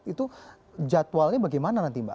itu jadwalnya bagaimana nanti mbak